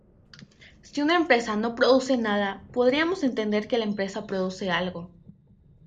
Si una empresa no produce nada, podríamos entender que la empresa produce algo.